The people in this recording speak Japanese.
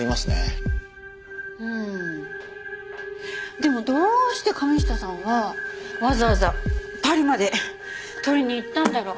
でもどうして神下さんはわざわざパリまで取りに行ったんだろう？